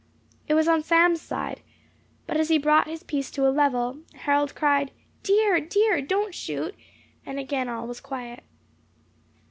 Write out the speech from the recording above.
It was on Sam's side; but as he brought his piece to a level, Harold cried, "Deer! deer! don't shoot!" and again all was quiet.